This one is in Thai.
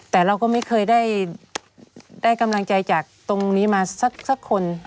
แต่เราก็ไม่เคยได้กำลังใจจากตรงนี้มาสักคน